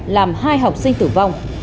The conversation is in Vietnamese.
làm hai học sinh tử vong